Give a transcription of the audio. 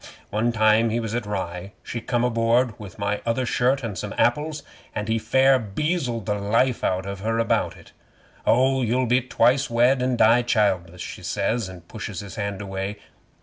One time we was at Rye she come aboard with my other shirt and some apples, and he fair beazled the life out of her about it. '"Oh, you'll be twice wed, and die childless," she says, and pushes his hand away.